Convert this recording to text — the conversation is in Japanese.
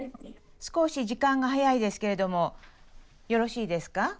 少し時間が早いですけれどもよろしいですか？